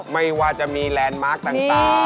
ไม่ว่าจะมีแลนด์มาร์คต่าง